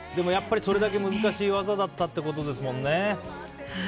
それだけ難しい技だったってことですもんね。